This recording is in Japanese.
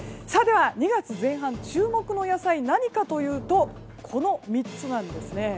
では、２月前半、注目の野菜は何かというとこの３つなんですね。